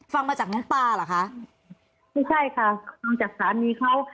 ฟังมาจากมุ้งปลาร่ะคะไม่ใช่ค่ะต้องจากศาลนี้เขา